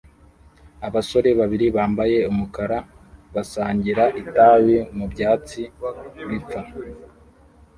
Abasore babiri bambaye umukara basangira itabi mu byatsi bipfa